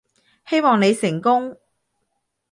希望你成功